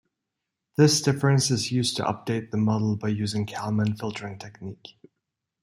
This difference is used to update the model by using Kalman filtering technique.